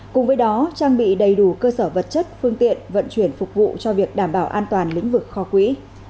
cùng với đó trang bị đầy đủ cơ sở vật chất phương tiện vận chuyển phục vụ cho việc đảm bảo an toàn lĩnh vực kho quỹ